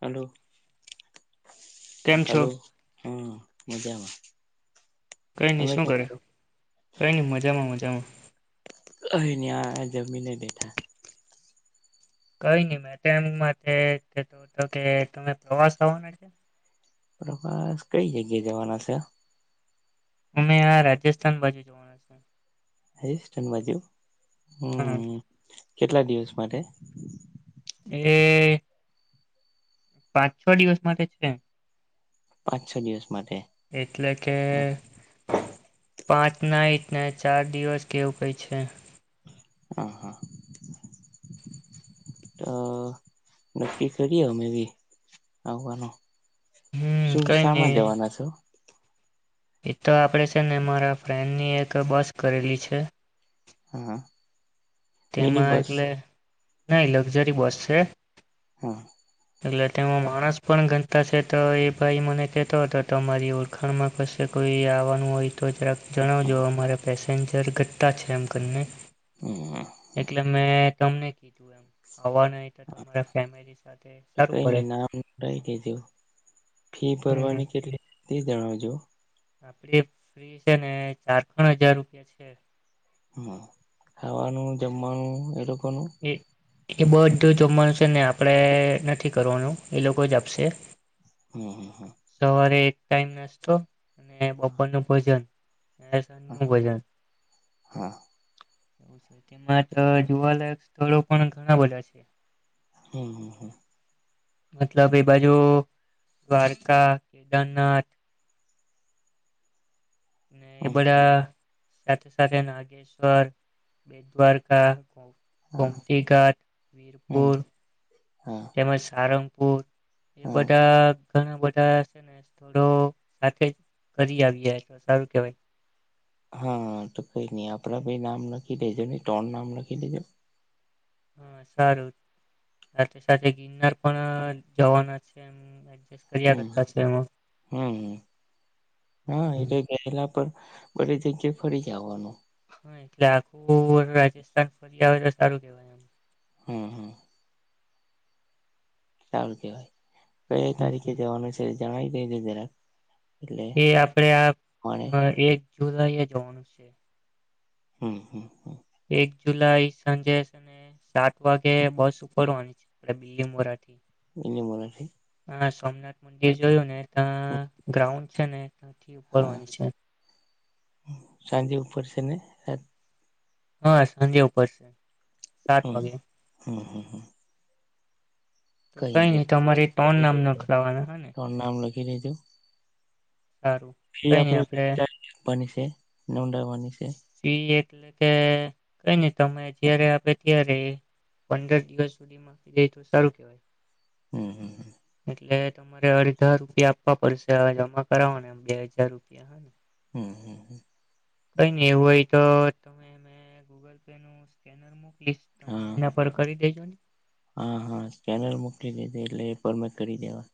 હાલો. કેમ છો હાલો, હમ્મ. મજામાં. કઈ નઈ તમે શું કેમ કરે? છો કઈ નઈ મજામાં મજામાં. અહિન આ જમીને બેેઠા. કઈ નઈ મે તો એમ માટે કેતો હતો કે તમે પ્રવાસ આવવાના છે? પ્રવાસ, કઈ જગ્યા જવાના છે? અમેં રાજસ્થાન બાજુ જોવાના છે. [unintelligible] બાજુ. હમ્મ. હમ કેટલા દિવસ માટે? એ પાંચ છ દિવસ માટે છે. પાંચ છ દિવસ માટે. એટલે કે પાંચ નાઈટ ને ચાર દિવસ કે એવું કઈ છે. હા હા, તો નક્કી કરીએ અમે બી, આવવાનો. હમ શું કઈ શામાં નહી દેવાના છો? એ તો આપણે છે ને મારા ફ્રેન્ડની એક બસ કરેલી છે. હા. મિની તેમાં બસ એગલે નહી લક્ઝરી બસ છે. હા. એટલે તેમાં માણસ પણ ગનતા છે તો એ ભાઈ મને કેહેતો હતો તમારી ઓળખાણમાં કશે કોઈ આવવાનું હોય તો જરક જણાવજો. હા અમારા પેસે પેન્જર ઘટતા છે એમ કરીને. હમ એટલે મે તમને કીધુ [unintelligible] તો તમારા ફેમિલી સાથે તો સારું કઈ પડે, નઈ નામ લઈ દેજો ફી હમ્મ. ભરવાની કેટલી તે જણાવજો. આપડી ફી છે ને ચાર [unintelligible] હજાર રૂપિયા છે. હમ્મ ખાવાનું, જમવાનું એ લોક એ-એ બધ ધું જમવાનું છે ને આપણે નથી કરવાનું, એ લોકો જ આપશે. હમ્મ હા. સવારે એક ટાઈમ નાસ્તો અને બપોર નું ભોજન અને સાંજ નું ભોજન. હા [unintelligible] તેમાં તો જોવાલાયક સ્થળો પણ ઘણા બધા છે. હમ્મ-હમ્મ-હમ્મ. મતલબ એ બાજુ દ્વારકા, કેદારનાથ ને એ બધા સાથે-સાથે નાગેશ્વર, બેટ દ્વારકા હા કોમતીઘાટ, હમ વીરપુર હા તેમજ સારંગ એ હા બધા ઘણા બધા છે ને થોડો સાથે જ ફરી આવ્યા એ તો સારું કેવાય. હા તો કઈ નઈ આપડા ભાઈ નામ લખ ખી દેજેને તન નામ લખી દેજો. હા સારું સાથે-સાથે ગિરનાર પણ જવાના છે એમ [inaudible] કરતા છે એમાં હમ્મ-હમ્મ-હમ્મ, હા એ તો ગયેલા પર બધી જગ્યાએ ફરી જાવાનું. હા એટલે આખું રાજસ્થાન ફરી આવે તો સારું કેવાય એમ. હમ્મ-હમ્મ. સારું કેવાય. કયે હમ, તારીખે જવાનું છે? જણાવી દેજો જરાક. એટલે એ આપડે આ મળે અહ એક જુલાઈ એ જવાનું સે. હમ્મ-હમ્મ-હમ્મ. એક જુલાઈ સાંજે છે ને સાત વાગે બસ ઉપડવાની છે ઓલા બી એ મોરાથી. [unintelligible] થી હા સોમનાથ મંદિર જોયું ને તા ગ્રાઉન્ડ છે ને થી હા ઉપાડવાની છે. સાંજે ઉપર છે ને હા. સાંજે ઉપર છે. હમ. હમ હા. તો કઈ નઈ તો તમારે ત્રણ નામ લખવાના હ ને ધુ [unintelligible] સારું એ કઈ નઈ આપડે આપડેવાની [unintelligible] તે નડાવા [unintelligible] એ એક એટલે કે કઈ નય, તમે જયારે આપે ત્યારે પંદર દિવસ સુધીમાં મટી જાય તો સારું કેવાય. હમ. હમ. એટલે તમારે અડધા રૂપિયા આપવા પડશે હ જમા કરાવવાને એમ બે હજાર રૂપિયા હા ને. હમ. હમ. હ. કઈ નય એવું હોય તો તમે ગૂગલ પે નું સ્કેનર મક લીશ. તમે હા એના પર કરી દેજો ને. [inaudible] હા. હા. સ્કેનર મોકલી દેધે એટલે એ પરમે કરી દેવા.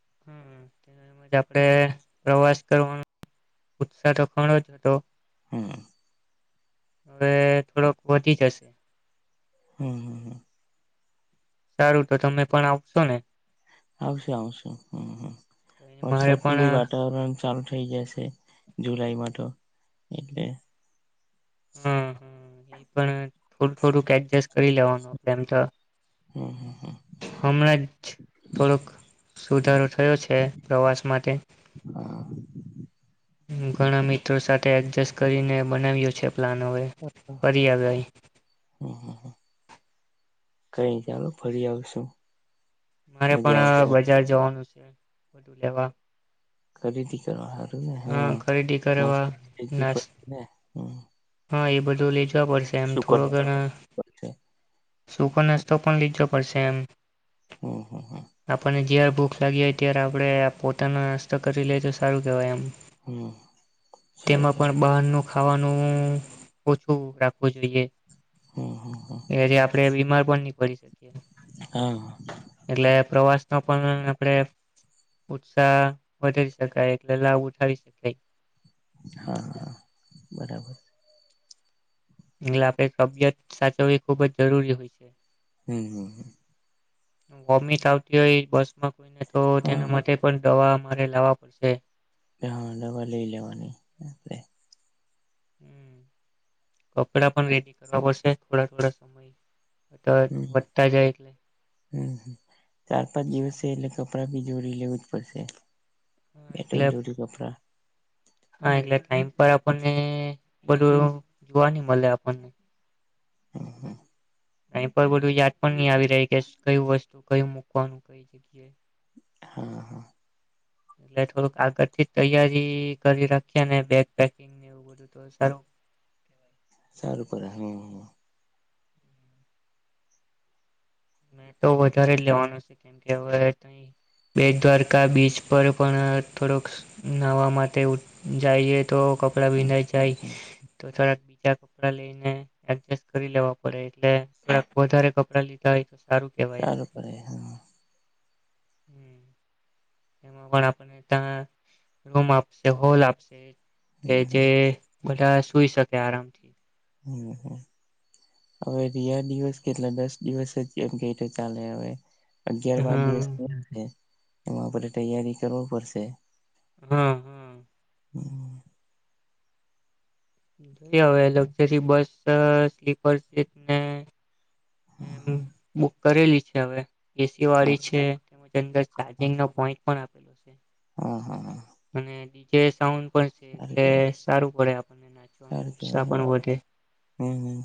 [inaudible] એજ આપડે હમ પ્રવાસ કરવા ઉત્સાહ તો ઘણો જ હતો હમ. હવે થોડોક વધી જશે હમ. હ હ. સારું તો તમે પણ આપશો ને આવશે આવશે, હમમ મારે વરસાદ ન પણ બી વાતાવરણ ચાલુ થઈ જાય છે જુલાઈમાં તો, એટલે હા [unintelligible] હા એ પણ થોડું થોડુંક એડજસ્ટ કરી લેવાનું આપડે એમ તો હમ હમ હમણાં જ થોડોક સુધારો થયો છે, પ્રવાસ માટે હા ઘણા મિત્રો સાથે એડજસ્ટ કરીને બનાવ્યો છે પલાનવે વધિયા હમ હમ હમ [unintelligible] કઈ ચાલો ફરી આવશું. મારે મજા આવશે પણ બજાર જવાનું છે. બધું લેવા. ખરીદી કરવા સારું ને હ હા ખરીદી કરવા નાસ્તા નાસ પ ને હમ. હા એ બધું લ પડ એમ શું કર થોડો ઘણો, પડશે સુકો નાસ્તો પણ લીધો ફરસેમ. [unintelligible] હ હ હા. ભૂખ લાગી હોય ત્યારે આપણે આ પોતાનો નાસ્તો કરી લઈએ તો સારું કહેવાય એમ. હમ, સારું તેમાં ખલ. પણ બહારનું ખાવાનું ઓછું રાખવું જોઈએ. હમ હમ એ જે આપડે બીમાર પણની પડી હમ હા એટલે પ્રવાસ ન પણ આપડે ઉત્સાહ વધારી શકાય એટલે લાભ ઉઠાડી શકાય. હા હા બરાબર. એટલે આપણે તબિયત સાચવવી ખુબ જ જરૂરી હોય છે. હમ હમ. વોમીત આવતી હોય બસ માં કોઈને તો તેના હા માટે પણ દવા રે લાવવા પડશે. હા દવા લઈ લેવાની આપે. હમ કપડા પણ રેડી કરવા પડશે થોડા થોડા સમય. હમ, વધતા જાય એટલે હમ ચાર પાંચ દિવસ એલે કડા બી જોડી લેવું જ પડશે. હા એટલે બેટન જોડી કપડા હા એટલે ટાઈમ પર આપણને બધું જોવા નઈ મળે આપણને. હમ હા. અહી પર બધું યાદ પણ નહી આવી રહી કે કયું વસ્તુ કયું મૂકવાનું કઈ જગ્યાએ. હા હા. એટ થોડુંક આગળથી તૈયારી કરી રાખએને બેગ પેિંગ એવું બધું તો સારુંવા. સારું કરે હમ. મે તો વધારે જ લેવાનું છે કેમકે હવે બે દ્વારકા બીચ પર પણ થોડોક નવા માટે જઈએ. તો કપડા હમ ભીનાંઈ જાય છે હમ તો થોડા કપડાં લઈને એડજસ્ટ કરી લેવા પડે એટલે થોક વધારે કપડાં લીધ હોય. સારું પડે હા. [inaudible] એમાં પણ આપને ત્યા રૂમ આપશે હોલ આપશે. કે હમ જે હમ બધ જોઈ શકે આરામથી. હમ હ હવે રિયા દિવસ કેટલા દસ દિવસ જ એમ કેય તો ચાલે હવે. અગિયાર બાર દિવસ હા [inaudible] એમાં આપણે તૈયારી કરવા પડશે. હા, હા. હમ્મ. જો હવે લક્ઝરી બસ સ્લીપર સીટને એમ બુક કરેલી છે હવે. એસી હા વાળી છે. [inaudible] અંદર ચાર્જિંગ નો પોઈન્ટ પણ આપેલો છે. હમ્મ હમ્મ હ. કે સાઉ છે એટલે સારું પડે આપ નાચવાનો સારું કેવાય ઉત્સાહ એમ પણ વધે. હમ હમ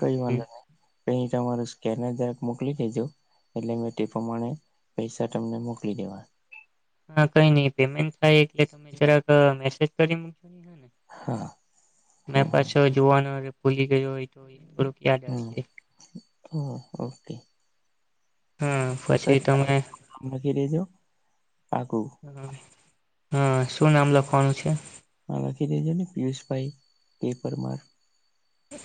કઈ વાંધો નહી. પહિ તમારૂ સ્કેનર જરાક મોકલી દેજો એટલે મેં તે પ્રમાણે પૈસા તમને મોકલી દેવા. હા કઈ નઈ પેમેન્ટ થાય એટલે તમે જરાક મેસેજ કરી મુક હા મે હમ પાછ જોવાના [unintelligible] હમ ઓકે. હમ પછી તમે લખી દેજો પાકું હા. હા શું નામ લખવાનું છે? માલાખી જ પિયુષભાઈ એ પરમાર.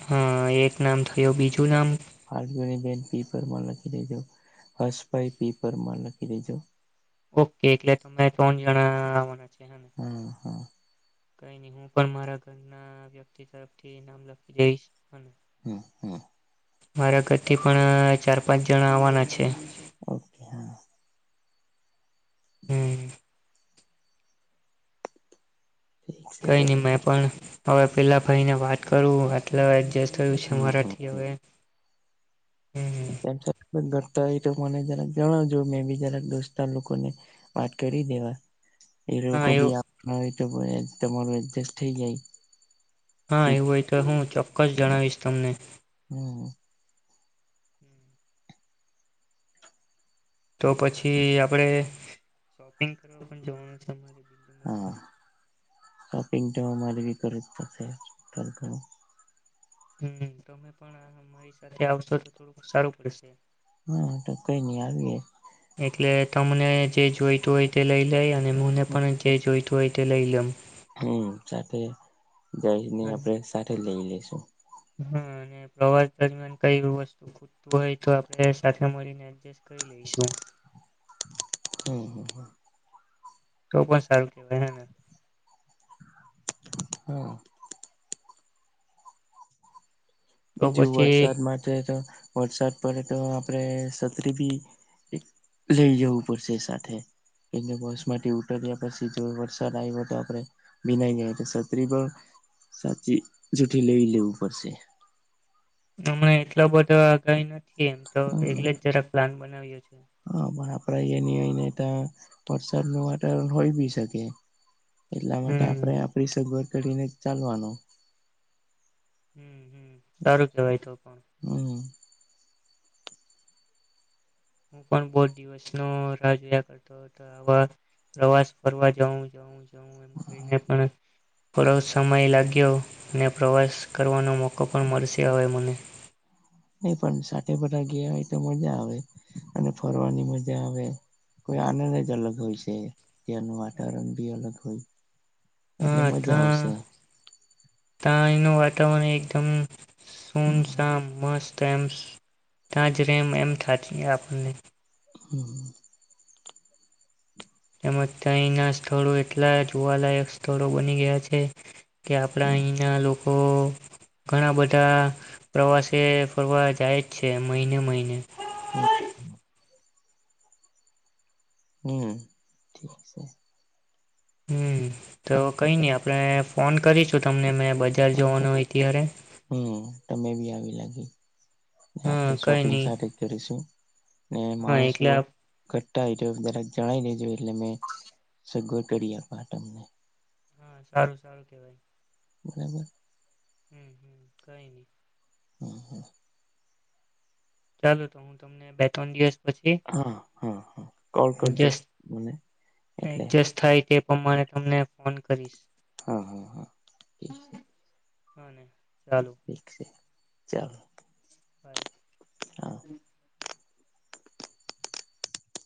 હા એક નામ થયું બીજું નામ. ફાલ્ગુનીબેન પી પરમાર લખી દેજો હર્ષભાઈ પી પરમાર લખી દેજો. ઓકે એટલે તમને ત્રણ જણા [inaudible] હમ્મ હમ્મ. કઈ નઈ હું પણ મારા ઘરના વ્યક્તિ તરફથી નામ લખી જઈશ હને! હમ્મ હમ્મ. મારા ઘરથી પણ ચાર પાંચ જણા આવવાના છે. ઓકે હા. હમ્મ. ઠીક છે કઈ તો નહી મેં પણ. હવે પેલા ભાઈને વાત કરું એતલે એડજસ્ટ થયું છે હમ હમ મરાઠીઓએ. હમ્મ હમ્મ. તેમ છતાં ઘટતા હોય તો મને જરાક જણાવજો મેં બી જરાક દોસ્તાર લોકોને વાત કરી દેવા. એ હા લોકો બી એવું આપ [inaudible] થઈ જાય હા સીટ એવું હોય તો હું ચોક્કસ જણાવીશ તમને. હમ તો પછી આપડે શોપિંગ કરવા પણ જવાનું છે. હા બીલીમોરા શોપિંગ હમારી બી [unintelligible] હમ તમે પણ અમારી સાથે આવશો તો થોડું સારું પડશે. હા તો કઈ નહી આવીયે. એટલે તમને જે જોઈતું હોય તે લઈ લઈ અને મને પણ જે જોઈતું હોય તે લઈ લેમ. હમ સાથે જઈને આપડે સાથે લઈ લઈએ. શું હા અને પ્રવાસ દરમિયાન કઈ વસ્તુ ખુટતું હોય તો આપણે સાથે મળીને એડજસ્ટ કરી લઈશું. હમ તો પણ સારું કેવાય હેને હા. તો બીજું પછી વરસાદ માટે તો વરસાદ પડે તો આપણે છત્રી ભી લઈ જવું પડશે સાથે કેમ બસ માંથી ઉતર્યા પછી જો વરસાદ આવ હો તો આપણે ભીનાઈ જઈ તો છત્રી પણ સાચી જઠી લઈ લેવું પડશે. હમણા એટલા બધા [unintelligible] નથી એમ તો હા એકલે જ જરા પ્લાન બનાવ્યો છે. એ [unintelligible] હોય બી શકે. એટલા માટે હમ આપણે આપડી સગવડ કરીને ચાલવાનો. હમ હમ સારું કેવાય તો પણ હમ હું પણ બૌ દિવસ ન રાહ જોયા કરતો હતો આવા પ્રવાસ ફરવા [unintelligible] એમ કરીને પણ થોડો સમય લાગ્યો અને પ્રવાસ કરવાનો મો લોકો પણ મળશે આવે મને નહી પણ સાથે બધા ગયા હોય તો મજા આવે અને ફરવાની મજા આવે કોઈ આનંદ જ અલગ હોય છે ત્યાંનું વાતાવરણ બી અલગ હોય. એટલે હા મજા આવશે [unintelligible] વાતાવરણ એકદમ હમ સૂનસાન મસ્ત તો એમ ત્યાં જ રેમ એમ [unintelligible] આપણને [inaudible] તેમજ તહીંના સ્થળો એટલા જોવાલાયક સ્થળો બની ગયા છે. કે આપડા હા અહીંના લોકો તો ઘણા બધા પ્રવાસે ફરવા જાય જ છે મહિને મહિને હમ ઠીક છે. હમ તો કઈ નઈ આપણે ફોન કરીશું તમને મે હમ તમે બી આવી લાગી હા આપણે કઈ શોપિંગ નહી સાથે કરીશું ને હા માણસો એટલે રાક જણાય લેજો એટલે મે સગવો કરી, આપ તમને હા સારું સારું કેવાય [unintelligible] હમ્મ હમ્મ કઈ નઈ હમ્મ હા ચાલુ તો હું તમને બે ત્રણ દિવસ હા હા હા કોલ કરજો મને એટલે એડજસ્ટ થાય તે પણ મને તમને ફોન કરીશ હા હા હા છે હને ચાલો ઠીક છે, ચાલો હા [unintelligible]